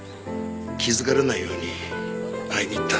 気づかれないように会いに行った。